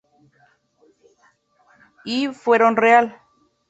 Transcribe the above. I, Fuero Real".